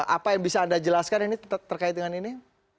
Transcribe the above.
apa yang bisa anda jelaskan ini terkait dengan ini